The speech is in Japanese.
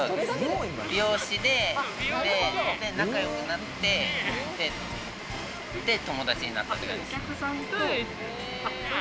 美容師で、仲良くなって、友達になったっていう感じです。